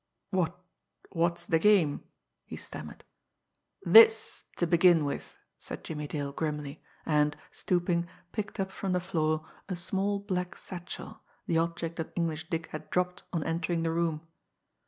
"What's what's the game?" he stammered. "This to begin with!" said Jimmie Dale grimly and, stooping, picked up from the floor a small black satchel, the object that English Dick had dropped on entering the room.